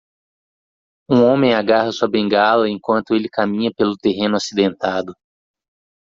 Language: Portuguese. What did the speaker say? Um homem agarra sua bengala enquanto ele caminha pelo terreno acidentado.